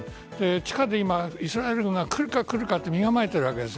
地下でイスラエルが来るか来るかと身構えているんです。